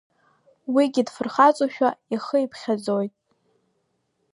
Уигьы дфырхаҵоушәа ихы иԥхьаӡоит…